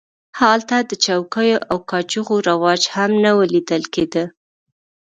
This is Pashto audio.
هلته د چوکیو او کاچوغو رواج هم نه و لیدل کېده.